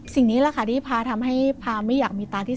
สิ่งนี้ที่พาทำให้พาไม่อยากมีตาที่๓